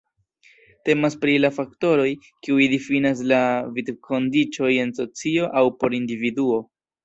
Temas pri la faktoroj, kiuj difinas la vivkondiĉojn en socio aŭ por individuo.